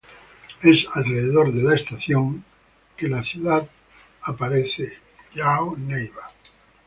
Es alrededor de la estación que la ciudad aparece "João Neiva.